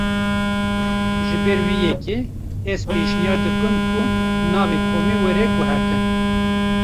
Ji ber vê yekê, ez pêşniyar dikim ku navê komê were guhertin